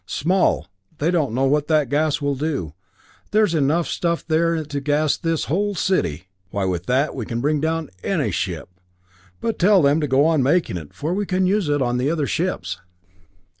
"Small! They don't know what that gas will do! There's enough stuff there to gas this whole city. Why, with that, we can bring down any ship! But tell them to go on making it, for we can use it on the other ships."